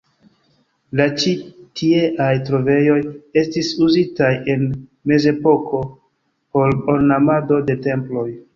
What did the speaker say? La ĉi tieaj trovejoj estis uzitaj en mezepoko por ornamado de temploj.